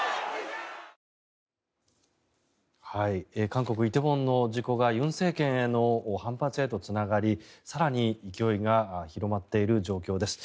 韓国イテウォンの事故が尹政権への反発へとつながり、更に勢いが広まっている状況です。